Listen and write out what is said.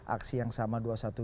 aksi yang sama dua ratus dua belas